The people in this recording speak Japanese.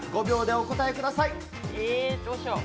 ５秒でお答えください。